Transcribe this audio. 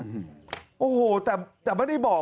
องค์โหโหแต่ไม่ได้บอก